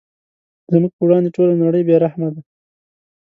زموږ په وړاندې ټوله نړۍ بې رحمه ده.